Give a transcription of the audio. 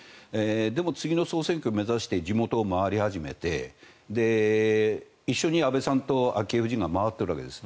でも次の総選挙を目指して地元を回り始めて一緒に安倍さんと昭恵夫人が回っているわけです。